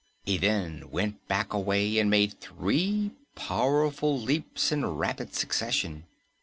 He then went back a way and made three powerful leaps in rapid succession.